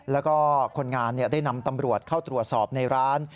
แล้วก็คนงานได้นำตำรวจเข้าตรวจสอบในร้าน